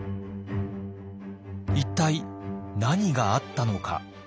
一体何があったのか。